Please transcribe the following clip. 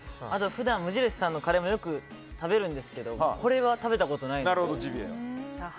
普段、無印さんのカレーも食べるんですけどこれは食べたことがないです。